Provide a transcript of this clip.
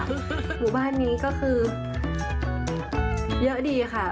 คือหมู่บ้านนี้ก็คือเยอะดีค่ะ